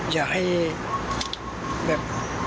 อยากให้แบบ